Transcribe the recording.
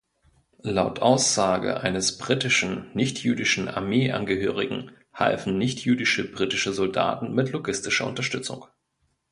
Laut Aussage eines britischen nichtjüdischen Armeeangehörigen halfen nichtjüdische britische Soldaten mit logistischer Unterstützung.